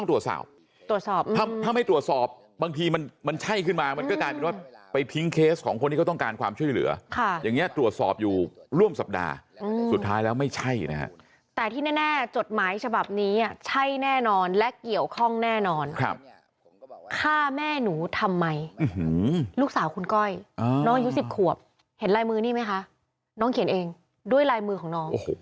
ตรวจสอบตรวจสอบถ้าถ้าไม่ตรวจสอบบางทีมันมันใช่ขึ้นมามันก็กลายเป็นว่าไปทิ้งเคสของคนที่เขาต้องการความช่วยเหลือค่ะอย่างเงี้ตรวจสอบอยู่ร่วมสัปดาห์สุดท้ายแล้วไม่ใช่นะฮะแต่ที่แน่จดหมายฉบับนี้ใช่แน่นอนและเกี่ยวข้องแน่นอนครับฆ่าแม่หนูทำไมลูกสาวคุณก้อยน้องอายุ๑๐ขวบเห็นลายมือนี่ไหมคะน้องเขียนเองด้วยลายมือของน้องโอ้โห